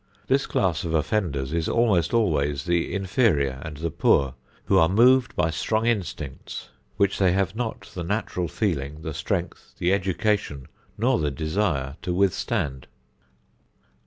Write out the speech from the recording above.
This class of offenders is almost always the inferior and the poor who are moved by strong instincts which they have not the natural feeling, the strength, the education, nor the desire to withstand.